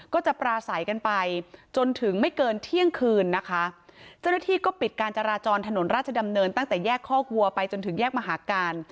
ก็จะปราศัยกันไปจนถึงไม่เกินเที่ยงคืนนะคะเจ้าหน้าที่ก็ปิดการจราจรถนนราชดำเนินตั้งแต่แยกคอกวัวไปจนถึงแยกมหาการ